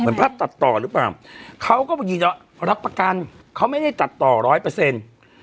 เหมือนภาพตัดต่อหรือเปล่าเขาก็บอกอย่างงี้เนอะรับประกันเขาไม่ได้ตัดต่อร้อยเปอร์เซ็นต์